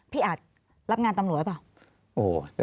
อาจรับงานตำรวจหรือเปล่า